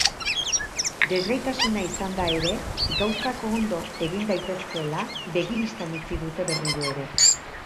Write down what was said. Desgaitasuna izanda ere gauzak ondo egin daitezkeela begi bistan utzi dute berriro ere.